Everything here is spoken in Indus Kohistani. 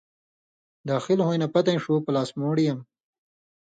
داخل ہویں نہ پتَیں شُو پلاسمُوڈیَم